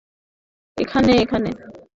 এখানে, এখানে।